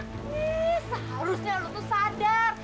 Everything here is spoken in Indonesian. nih seharusnya lo tuh sadar